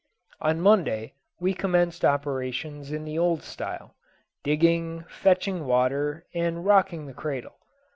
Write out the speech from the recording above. On Monday we commenced operations in the old style digging, fetching water, and rocking the cradle.